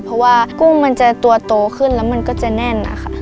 เพราะว่ากุ้งมันจะตัวโตขึ้นแล้วมันก็จะแน่นนะคะ